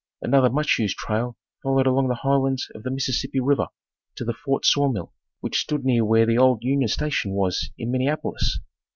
Another much used trail followed along the highlands of the Mississippi River to the fort sawmill which stood near where the old Union Station was in Minneapolis.